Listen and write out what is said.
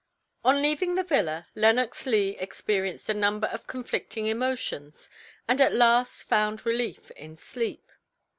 On leaving the villa Lenox Leigh experienced a number of conflicting emotions, and at last found relief in sleep.